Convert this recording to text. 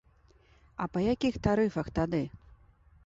А па якіх тарыфах тады?